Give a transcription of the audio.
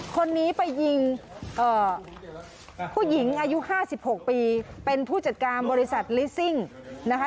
คนนี้ไปยิงผู้หญิงอายุ๕๖ปีเป็นผู้จัดการบริษัทลิสซิ่งนะคะ